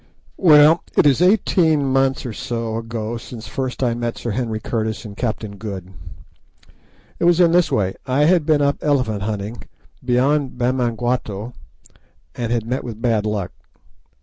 Well, it is eighteen months or so ago since first I met Sir Henry Curtis and Captain Good. It was in this way. I had been up elephant hunting beyond Bamangwato, and had met with bad luck.